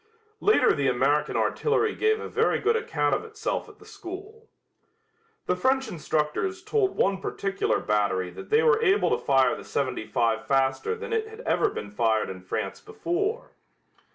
Later the American artillery gave a very good account of itself at the school. The French instructors told one particular battery that they were able to fire the seventy five faster than it had ever been fired in France before.